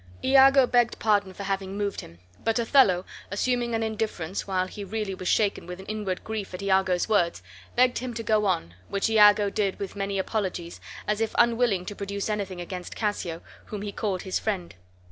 Iago begged pardon for having moved him; but Othello, assuming an indifference, while he was really shaken with inward grief at Iago's words, begged him to go on, which Iago did with many apologies, as if unwilling to produce anything against Cassio, whom he called his friend.